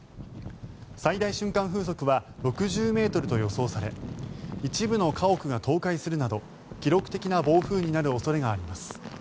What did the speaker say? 最大瞬間風速は６０ｍと予想され一部の家屋が倒壊するなど記録的な暴風になる恐れがあります。